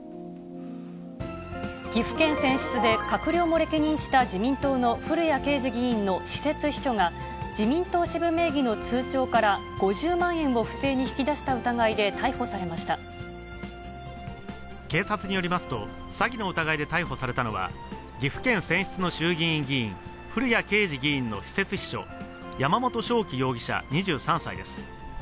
岐阜県選出で閣僚も歴任した自民党の古屋圭司議員の私設秘書が、自民党支部名義の通帳から５０万円を不正に引き出した疑いで逮捕警察によりますと、詐欺の疑いで逮捕されたのは、岐阜県選出の衆議院議員、古屋圭司議員の私設秘書、山本翔貴容疑者２３歳です。